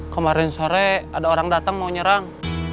kemarin sore ada orang datang mau nyerang